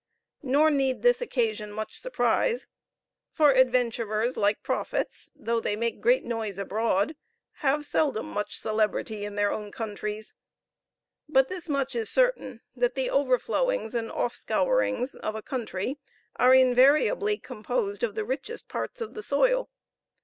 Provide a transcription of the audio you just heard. Nor need this occasion much surprise; for adventurers, like prophets, though they make great noise abroad, have seldom much celebrity in their own countries; but this much is certain that the overflowings and offscourings of a country are invariably composed of the richest parts of the soil.